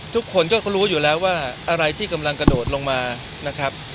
ทุกคนก็รู้อยู่แล้วว่าอะไรที่กำลังกระโดดลงมานะครับ